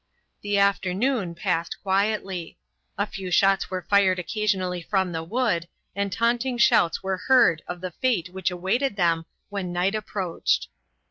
The afternoon passed quietly. A few shots were fired occasionally from the wood, and taunting shouts were heard of the fate which awaited them when night approached.